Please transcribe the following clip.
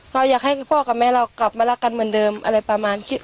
เราอยากให้พ่อกับแม่เรากลับมารักกันเหมือนเดิมอะไรประมาณ